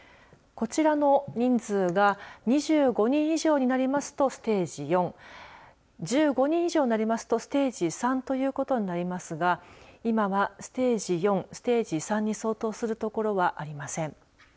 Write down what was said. こちらの人数が２５人以上になりますとステージ４１５人以上になりますとステージ３ということになりますが今は、ステージ４、ステージ３に相当する所はありません。